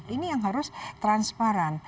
ini yang harus transparan